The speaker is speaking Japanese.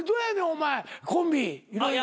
お前コンビ。